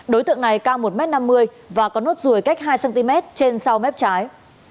đối tượng này cao một m năm mươi và có nốt ruồi cách hai cm trên sau mép trái